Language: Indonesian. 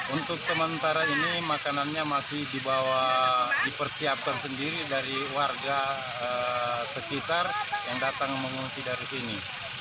untuk sementara ini makanannya masih dibawa dipersiapkan sendiri dari warga sekitar yang datang mengungsi dari sini